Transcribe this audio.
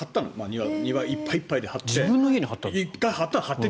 庭いっぱいいっぱいで張って。